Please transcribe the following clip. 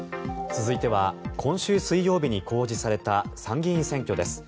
続いては今週水曜日に公示された参議院選挙です。